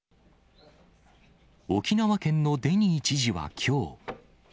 沖縄県のデニー知事はきょう。